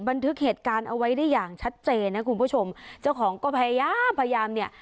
บันทึกเหตุการณ์เอาไว้ได้อย่างชัดเจนนะคุณผู้ชมเจ้าของก็พยายามพยายามเนี่ย